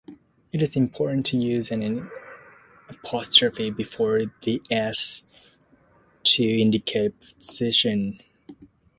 It is important to use an apostrophe before the "s" to indicate possession.